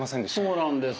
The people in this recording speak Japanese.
そうなんです。